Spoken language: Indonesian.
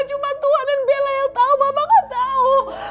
cuma tuhan dan bella yang tahu mama gak tahu